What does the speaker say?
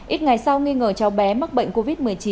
ít ngày sau nghi ngờ cháu bé mắc bệnh covid một mươi chín